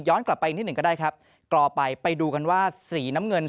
กลับไปอีกนิดหนึ่งก็ได้ครับกรอไปไปดูกันว่าสีน้ำเงิน